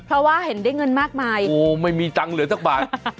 เพราะว่าเห็นได้เงินมากมายโอ้โหไม่มีตังค์เหลือสักบาท